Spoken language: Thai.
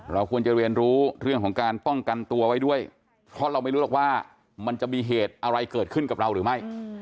เราควรจะเรียนรู้เรื่องของการป้องกันตัวไว้ด้วยเพราะเราไม่รู้หรอกว่ามันจะมีเหตุอะไรเกิดขึ้นกับเราหรือไม่